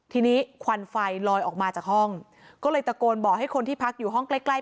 ทีนี้ควันไฟลอยออกมาจากห้องก็เลยตะโกนบอกให้คนที่พักอยู่ห้องใกล้ใกล้